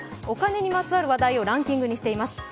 お金にまつわる話題をランキングにしています。